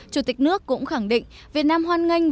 chủ tịch nước cũng khẳng định việt nam hoan nghênh